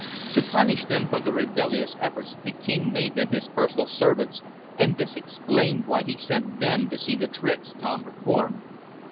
To punish them for their rebellious efforts the king made them his personal servants, and this explained why he sent them to see the tricks Tom performed.